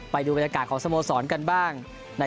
ไปดูบรรยากาศของสโมสรกันบ้าง